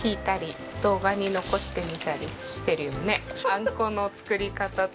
あんこの作り方とかさ。